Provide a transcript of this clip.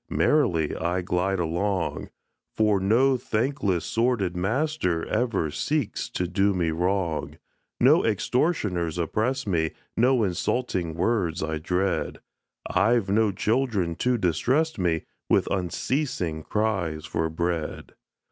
Merrily I glide along, For no thankless, sordid master, Ever seeks to do me wrong: No extortioners oppress me, No insulting words I dread I've no children to distress me With unceasing cries for bread.